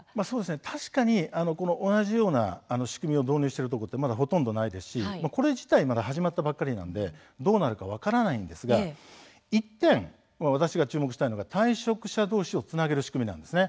確かに、同じような仕組みを導入しているところはほとんどないですしこれ自体がまだ始まったばかりなのでどうなるか分からないんですが私が注目したいのは退職者どうしをつなげる仕組みです。